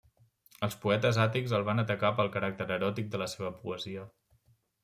Els poetes àtics el van atacar pel caràcter eròtic de la seva poesia.